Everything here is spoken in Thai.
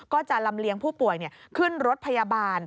ก็จะลำเลียงผู้ป่วยขึ้นรถพยาบาล